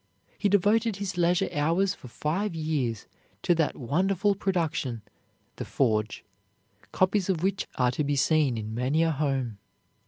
He devoted his leisure hours for five years to that wonderful production, "The Forge," copies of which are to be seen in many a home.